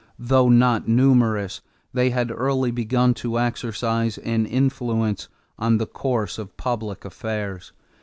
Though not numerous, they had early begun to exercise an influence on the course of public affairs.